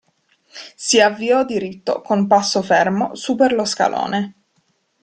Si avviò diritto, con passo fermo su per lo scalone.